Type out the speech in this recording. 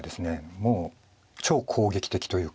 もう超攻撃的というか。